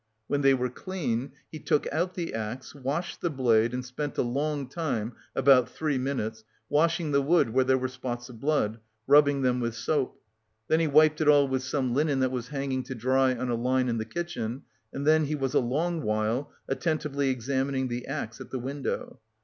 When they were clean, he took out the axe, washed the blade and spent a long time, about three minutes, washing the wood where there were spots of blood rubbing them with soap. Then he wiped it all with some linen that was hanging to dry on a line in the kitchen and then he was a long while attentively examining the axe at the window.